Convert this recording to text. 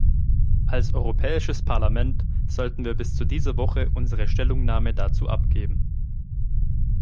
Als Europäisches Parlament sollten wir bis zu dieser Woche unsere Stellungnahmen dazu abgeben.